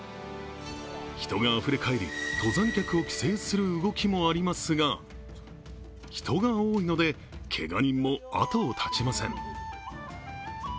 人があふれ返り登山客を規制する動きもありますが、人が多いので、けが人も後を絶ちません。